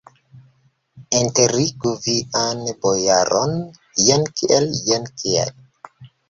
Enterigu vian bojaron, jen kiel, jen kiel!